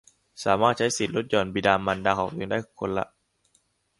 สามารถใช้สิทธิ์ลดหย่อนบิดามารดาของตัวเองได้คนละ